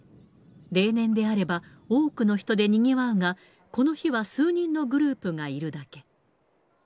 例年であれば、多くの人でにぎわうが、この日は数人のグループがいるだけ。